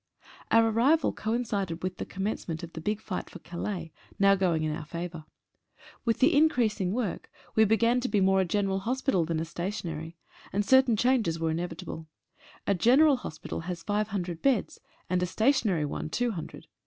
Our arrival coincided with the commencement of the big fight for Calais, now going in our favour. With the increasing work we began to be more a general hos pital than a stationary, and certain changes were inevit able. A general hospital has five hundred beds, and a. stationary one two hundred.